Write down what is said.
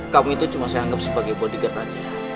kamu itu cuma saya anggap sebagai bodyguard saja